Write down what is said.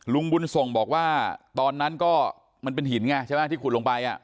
ลุงบุญส่งบอกว่าตอนนั้นก็มันเป็นหินไงใช่ไหมที่ขุดลงไป